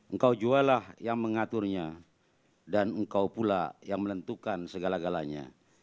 engkau juallah yang mengaturnya dan engkau pula yang menentukan segala galanya